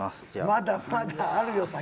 まだまだあるよ先は。